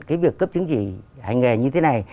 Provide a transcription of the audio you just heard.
cái việc cấp chứng chỉ hành nghề như thế này